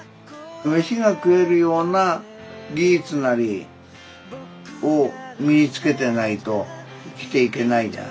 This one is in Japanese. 飯が食えるような技術なりを身につけてないと生きていけないじゃん。